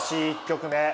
１曲目。